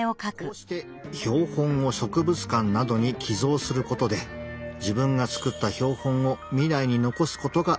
こうして標本を植物館などに寄贈することで自分が作った標本を未来に残すことができます。